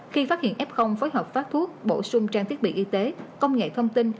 khi phát hiện f phối hợp phát thuốc bổ sung trang thiết bị y tế công nghệ thông tin